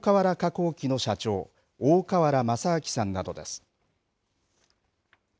工機の社長、大川原正明さんなどです。